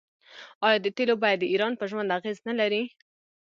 آیا د تیلو بیه د ایران په ژوند اغیز نلري؟